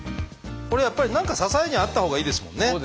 これやっぱり何か支えにあったほうがいいですもんね。